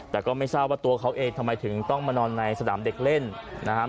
แต่ก็ไม่ทราบว่าตัวเขาเองทำไมถึงต้องมานอนในสนามเด็กเล่นนะครับ